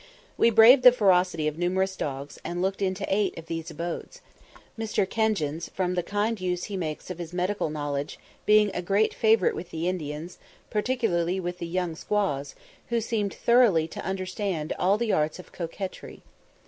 We braved the ferocity of numerous dogs, and looked into eight of these abodes; Mr. Kenjins, from the kind use he makes of his medical knowledge, being a great favourite with the Indians, particularly with the young squaws, who seemed thoroughly to understand all the arts of coquetry.